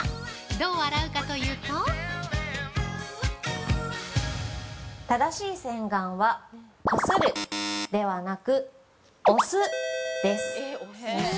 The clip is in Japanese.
どう洗うかというと◆正しい洗顔は、こするではなく、押すです。